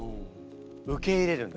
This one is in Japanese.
受け入れるんだ。